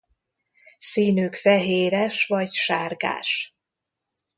Színük fehéres vagy sárgás.